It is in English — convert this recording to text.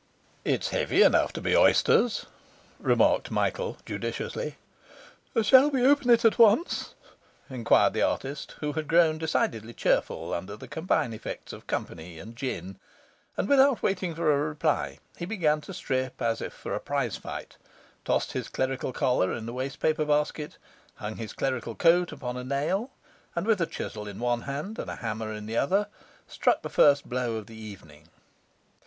'It's heavy enough to be oysters,' remarked Michael judiciously. 'Shall we open it at once?' enquired the artist, who had grown decidedly cheerful under the combined effects of company and gin; and without waiting for a reply, he began to strip as if for a prize fight, tossed his clerical collar in the wastepaper basket, hung his clerical coat upon a nail, and with a chisel in one hand and a hammer in the other, struck the first blow of the evening.